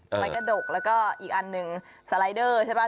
ไม้กระดกแล้วก็อีกอันนึงสไลเดอร์ใช่ไหม